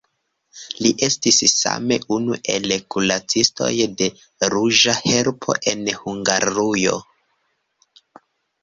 Li estis same unu el kuracistoj de Ruĝa Helpo en Hungarujo.